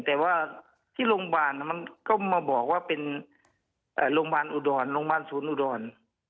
แต่ว่าที่โรงพยาบาลมันก็มาบอกว่าเป็นโรงพยาบาลอุดรโรงพยาบาลศูนย์อุดร